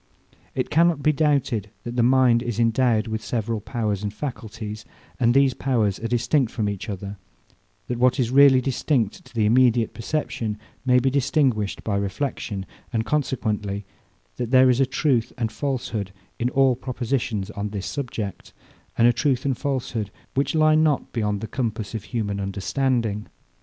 It cannot be doubted, that the mind is endowed with several powers and faculties, that these powers are distinct from each other, that what is really distinct to the immediate perception may be distinguished by reflexion; and consequently, that there is a truth and falsehood in all propositions on this subject, and a truth and falsehood, which lie not beyond the compass of human understanding.